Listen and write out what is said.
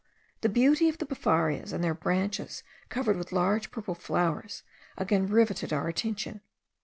The beauty of the befarias, and their branches covered with large purple flowers, again rivetted our attention.